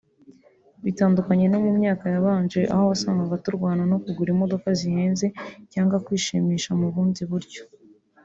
bitandukanye no mu myaka yabanje aho wasangaga turwana no kugura imodoka zihenze cyangwa kwishimisha mu bundi buryo